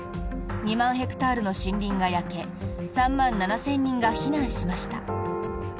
２万ヘクタールの森林が焼け３万７０００人が避難しました。